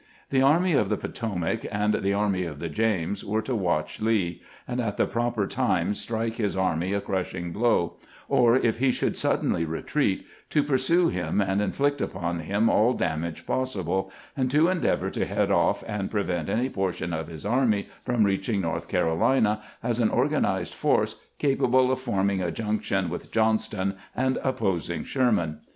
The Army of the Potomac and the Army of the James were to watch Lee, and at the proper time strike his army a crushing blow, or, if he should sud denly retreat, to pursue him and inflict upon him all damage possible, and to endeavor to head off and pre vent any portion of his army from reaching North Caro lina as an organized force capable of forming a junction with Johnston and opposing Sherman.